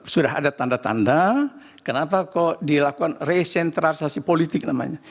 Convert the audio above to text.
sudah ada tanda tanda kenapa kok dilakukan resentralisasi politik namanya